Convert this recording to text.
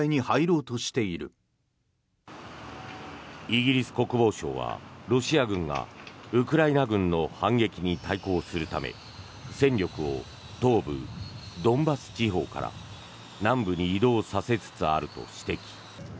イギリス国防省はロシア軍がウクライナ軍の反撃に対抗するため戦力を東部ドンバス地方から南部に移動させつつあると指摘。